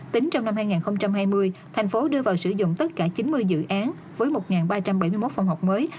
tính trong năm hai nghìn hai mươi thành phố đưa vào sử dụng tất cả chín mươi dự án với một ba trăm bảy mươi một phòng học mới